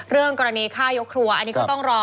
เรื่องกรณีฆ่ายกครัวอันนี้ก็ต้องรอ